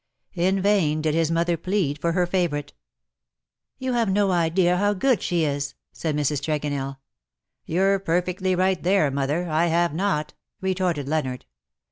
In vain did his mother plead for her favourite. ^' You have no idea how good she is !" said Mrs. Tregonell. " You^re perfectly right there, mother : I have not/'' retorted Leonard.